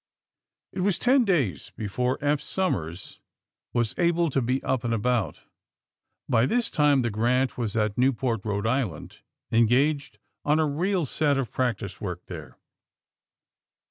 It was ten days before Eph Somers was able to be up and about. By this time the '^ Grant'* was at Newport, E. I.^ engaged on a real set of practice work there.